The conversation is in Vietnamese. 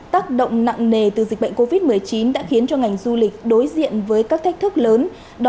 tác động nặng nề từ dịch bệnh covid một mươi chín đã khiến cho ngành du lịch đối diện với các thách thức lớn